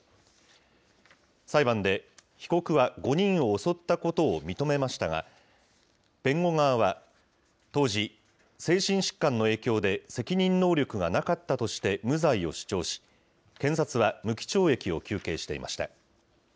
裁判で、被告は５人を襲ったことを認めましたが、弁護側は、当時、精神疾患の影響で責任能力がなかったとして、無罪を主張し、検察は無期懲役を求刑していました。